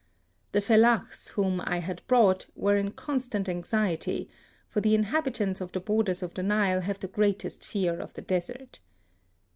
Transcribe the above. The Fellahs whom I had brought were in constant anxiety, for the inhabitants of the borders of the Nile have the greatest fear of the desert.